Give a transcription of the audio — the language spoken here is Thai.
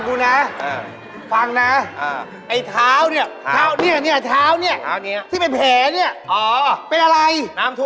ไม่ใช่ไม่เกี่ยวกับฟันไอ้เท้านี่ที่เป็นแผลนี่หลูมันจะมาฉอน